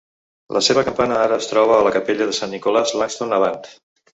La seva campana ara es troba a la capella de Saint Nicholas, Langstone, Havant.